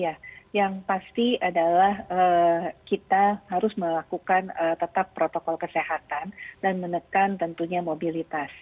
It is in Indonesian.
ya yang pasti adalah kita harus melakukan tetap protokol kesehatan dan menekan tentunya mobilitas